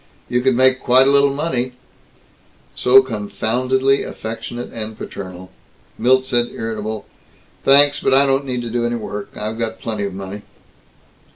You could make quite a little money " So confoundedly affectionate and paternal Milt said irritably, "Thanks, but I don't need to do any work. I've got plenty of money."